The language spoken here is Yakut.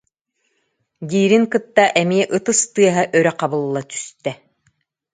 диирин кытта эмиэ ытыс тыаһа өрө хабылла түстэ